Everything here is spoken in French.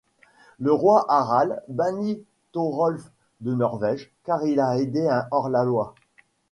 Le roi Harald bannit Thorolf de Norvège car il a aidé un hors-la-loi.